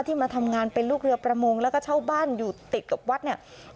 มาทำงานเป็นลูกเรือประมงแล้วก็เช่าบ้านอยู่ติดกับวัดเนี่ย